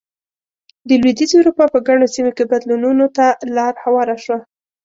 د لوېدیځې اروپا په ګڼو سیمو کې بدلونونو ته لار هواره شوه.